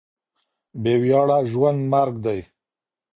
بې وياړه ژوند مرګ دی.